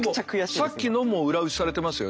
でもさっきのも裏打ちされてますよね。